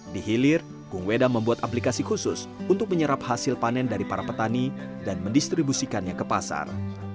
di hilir gung wedam membuat aplikasi khusus untuk menyerap hasil panen dari para petani dan mendistribusikannya ke pasar